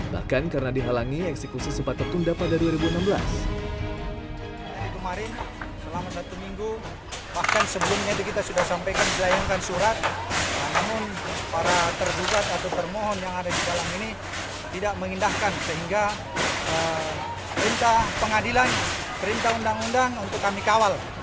bahkan karena dihalangi eksekusi sempat tertunda pada dua ribu enam belas